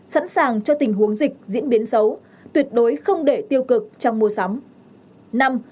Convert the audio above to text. sẵn sàng cho tình huống dịch diễn biến xấu tuyệt đối không để tiêu cực trong mua sắm